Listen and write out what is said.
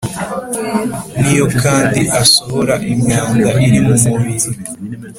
niyo kandi asohora imyanda iri mu mubiri.